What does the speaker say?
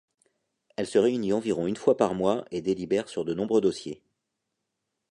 Elle se réunit environ une fois par mois et délibère sur de nombreux dossiers.